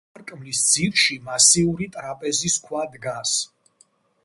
სარკმლის ძირში მასიური ტრაპეზის ქვა დგას.